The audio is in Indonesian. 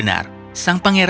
orang orang orang yang seperti